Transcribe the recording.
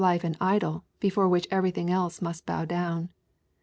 life an idol, before which everything else must bow down.